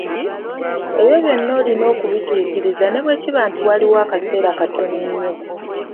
Ebyo byonna olina okubituukiriza ne bwe kiba nti waliwo akaseera akatono ennyo